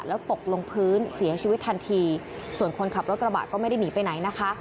แล้วตกลงพื้นเสียชีวิตทันทีส่วนคนขับรถกระบะก็ไม่ได้หนีไปไหนนะคะ